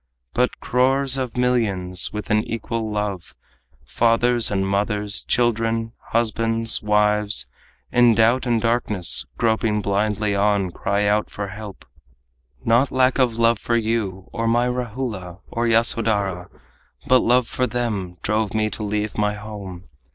But crores of millions, with an equal love, Fathers and mothers, children, husbands, wives, In doubt and darkness groping blindly on, Cry out for help. Not lack of love for you, Or my Rahula or Yasodhara, But love for them drove me to leave my home.